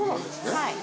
はい。